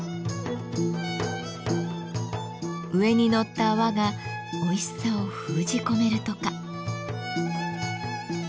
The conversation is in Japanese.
上にのった泡がおいしさを封じ込めるとか。